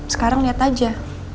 sekarang lihat aja